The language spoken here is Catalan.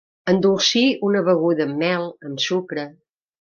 Endolcir una beguda amb mel, amb sucre.